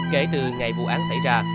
kể từ ngày vụ án xảy ra